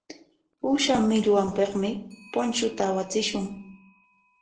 Uusha millwapikmi punchuta awachishun.